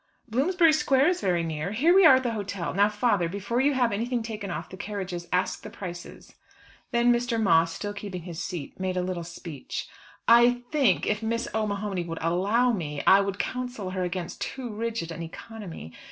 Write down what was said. "Bloomsbury Square is very near. Here we are at the hotel. Now, father, before you have anything taken off the carriages, ask the prices." Then Mr. Moss, still keeping his seat, made a little speech. "I think if Miss O'Mahony would allow me, I would counsel her against too rigid an economy.